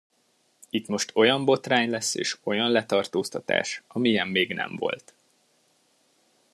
Itt most olyan botrány lesz és olyan letartóztatás, amilyen még nem volt.